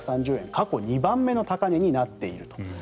過去２番目の高値になっていると。